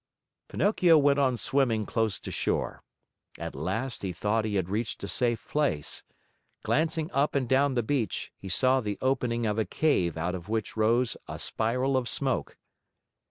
Pinocchio went on swimming close to shore. At last he thought he had reached a safe place. Glancing up and down the beach, he saw the opening of a cave out of which rose a spiral of smoke.